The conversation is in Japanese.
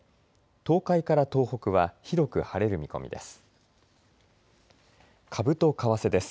東海から東北は広く晴れる見込みです。